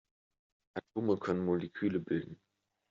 Atome können Moleküle bilden.